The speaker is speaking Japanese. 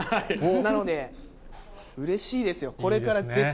なので、うれしいですよ。